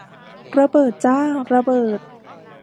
ระเบิดจ้า ระเบิด